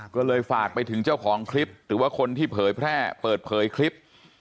ก็เลยฝากไปถึงเจ้าของคลิปหรือว่าคนที่เผยแพร่เปิดเผยคลิป